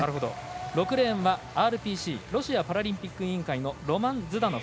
６レーンはＲＰＣ＝ロシアパラリンピック委員会のロマン・ズダノフ。